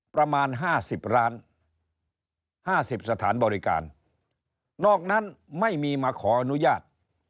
ประมาณ๕๐ล้านห้าสิบสถานบริการนอกนั้นไม่มีมาขออนุญาต